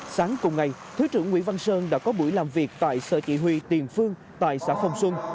sáng cùng ngày thứ trưởng nguyễn văn sơn đã có buổi làm việc tại sở chỉ huy tiền phương tại xã phong xuân